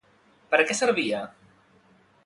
Per a què servia?